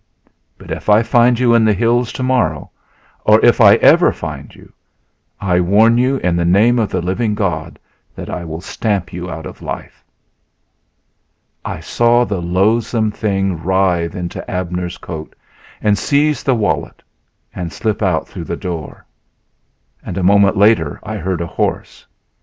But if I find you in the hills tomorrow, or if I ever find you, I warn you in the name of the living God that I will stamp you out of life!" I saw the loathsome thing writhe into Abner's coat and seize the wallet and slip out through the door; and a moment later I heard a horse.